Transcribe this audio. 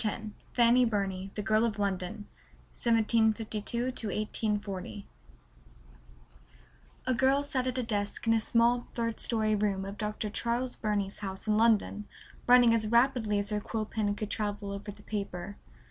X Fanny Burney The Girl of London: 1752 1840 A girl sat at a desk in a small third story room of Dr. Charles Burney's house in London, writing as rapidly as her quill pen could travel over the paper.